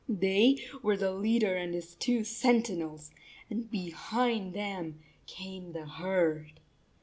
They were the leader and his two sentinels, and behind them came the herd."